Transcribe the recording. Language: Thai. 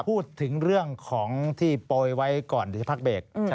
พูดถึงเรื่องของที่ปล่อยไว้ก่อนที่จะพักเบก